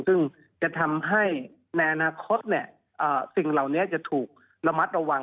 ซึ่งจะทำให้ในอนาคตสิ่งเหล่านี้จะถูกระมัดระวัง